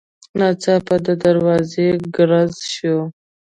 ناڅاپه د دروازې ګړز شو.